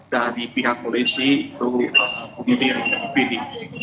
dari pihak polisi itu diri vidi